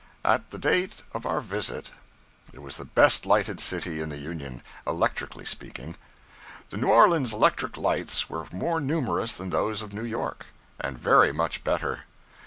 At the date of our visit, it was the best lighted city in the Union, electrically speaking. The New Orleans electric lights were more numerous than those of New York, and very much better.